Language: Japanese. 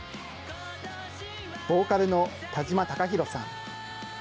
ボーカルの田島敬弘さん。